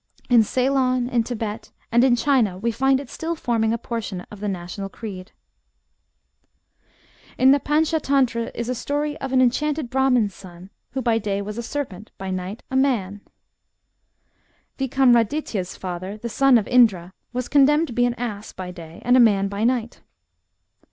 In Ceylon, in Thibet, and in China, we find it still forming a portion of the national creed. POLK LORE RELATING TO WERE WOLVES. 119 In the Pantschatantra is a story of an enchanted Brahmin's son, who by day was a serpent, by night a man. Vikramaditya's father, the son of Indra, was con demned to be an ass by day and a man by night.